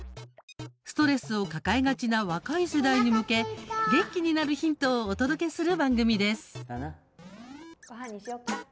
ストレスを抱えがちな若い世代に向け元気になるヒントをお届けする番組です。